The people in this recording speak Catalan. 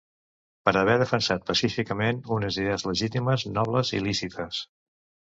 Per haver defensat pacíficament unes idees legítimes, nobles i lícites.